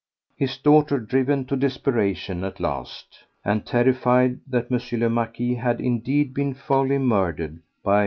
His daughter, driven to desperation at last, and terrified that M. le Marquis had indeed been foully murdered by M.